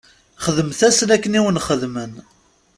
Xdemt-asen akken i wen-xedmen.